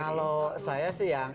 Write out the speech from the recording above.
kalau saya sih yang